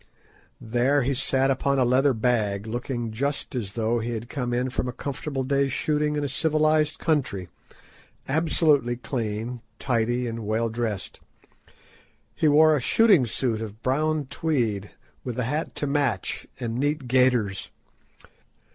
There he sat upon a leather bag, looking just as though he had come in from a comfortable day's shooting in a civilised country, absolutely clean, tidy, and well dressed. He wore a shooting suit of brown tweed, with a hat to match, and neat gaiters.